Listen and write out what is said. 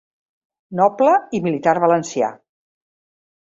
Noble i militar valencià.